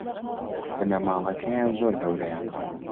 بنەماڵەکەیان زۆر گەورەیە